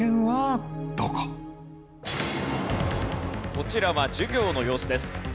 こちらは授業の様子です。